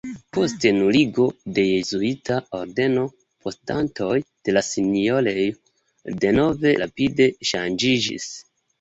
Post nuligo de jezuita ordeno posedantoj de la sinjorejo denove rapide ŝanĝiĝis.